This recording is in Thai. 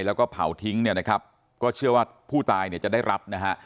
แล้วก็เผาทิ้งเนี่ยนะครับก็เชื่อว่าผู้ตายเนี่ยจะได้รับนะฮะ